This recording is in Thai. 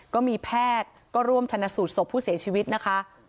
ก็มีแพทย์ก็ร่วมชนะสูตรศพผู้เสียชีวิตนะคะ